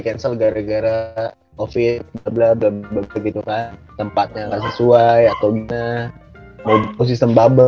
cancel gara gara of it blablabla begitu kan tempatnya sesuai atau kita mau sistem babel